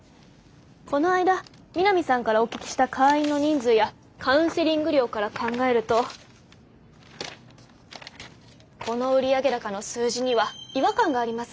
この間三並さんからお聞きした会員の人数やカウンセリング料から考えるとこの売上高の数字には違和感があります。